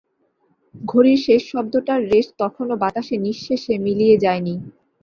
ঘড়ির শেষ শব্দটার রেশ তখনো বাতাসে নিঃশেষে মিলিয়ে যায়নি।